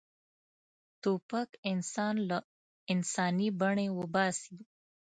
توپک انسان له انساني بڼې وباسي.